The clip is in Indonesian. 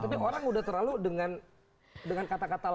tapi orang udah terlalu dengan kata kata lain